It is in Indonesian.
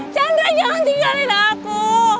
chandra jangan tinggalin aku